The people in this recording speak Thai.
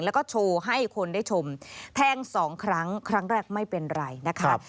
แล้วก็โชว์ให้คนได้ชมแทงสองครั้งครั้งแรกไม่เป็นไรนะคะ